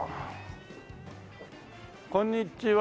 こんにちは。